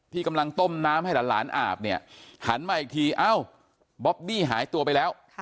กำลังต้มน้ำให้หลานอาบเนี่ยหันมาอีกทีเอ้าบ๊อบบี้หายตัวไปแล้ว